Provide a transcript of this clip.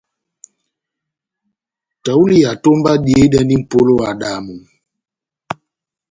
Tahuli ya etomba ediyedɛndi mʼpolo ó ehádo yamu.